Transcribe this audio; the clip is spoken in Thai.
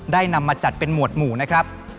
นำมาจัดเป็นหวดหมู่นะครับ